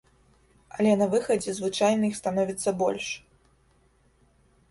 Але на выхадзе звычайна іх становіцца больш.